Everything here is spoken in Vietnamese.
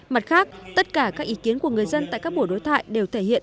mặt khác tất cả các ý kiến của người dân tại các buổi đối thoại đều thể hiện